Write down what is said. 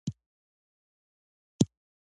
افغانستان په خپلو حاصلخیزه زردالو باندې ډېر غني دی.